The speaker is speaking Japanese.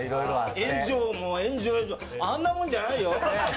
炎上、炎上、あんなもんじゃないよ。